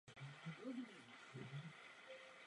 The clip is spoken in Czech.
Spodní podpůrný listen bývá stejně dlouhý jako květenství.